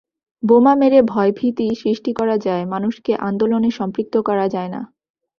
বোমা মেরে ভয়ভীতি সৃষ্টি করা যায়, মানুষকে আন্দোলনে সম্পৃক্ত করা যায় না।